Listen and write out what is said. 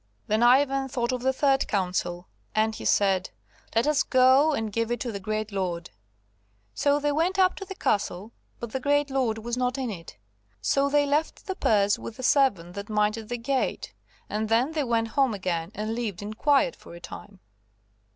Then Ivan thought of the third counsel, and he said: "Let us go and give it to the great lord." So they went up to the castle, but the great lord was not in it, so they left the purse with the servant that minded the gate, and then they went home again and lived in quiet for a time.